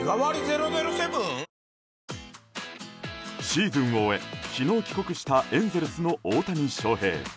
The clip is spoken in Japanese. シーズンを終え昨日帰国したエンゼルスの大谷翔平。